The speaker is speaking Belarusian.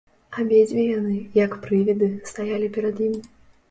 Абедзве яны, як прывіды, стаялі перад ім.